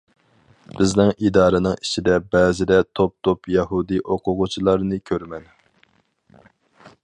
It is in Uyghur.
بىزنىڭ ئىدارىنىڭ ئىچىدە بەزىدە توپ-توپ يەھۇدىي ئوقۇغۇچىلارنى كۆرىمەن.